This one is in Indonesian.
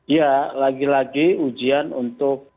ya lagi lagi ujian untuk